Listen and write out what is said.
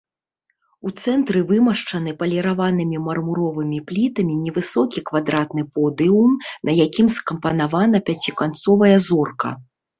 У цэнтры вымашчаны паліраванымі мармуровымі плітамі невысокі квадратны подыум, на якім скампанавана пяціканцовая зорка.